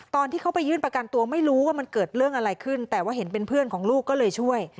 ตอนที่เขาไปยื่นประกันตัวไม่รู้ว่ามันเกิดเรื่องอะไรขึ้นแต่ว่าเห็นเป็นเพื่อนของลูกก็เลยช่วย